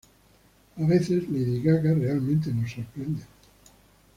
A veces, Lady Gaga realmente nos sorprende.